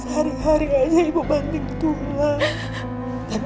hari hari aja ibu banting tunggal